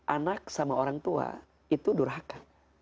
anak sama orang tua itu durhaka